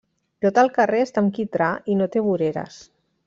Tot el carrer està amb quitrà i no té voreres.